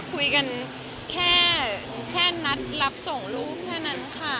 คุยกันแค่นัดรับส่งลูกแค่นั้นค่ะ